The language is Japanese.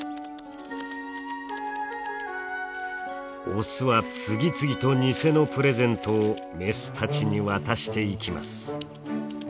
オスは次々と偽のプレゼントをメスたちに渡していきます。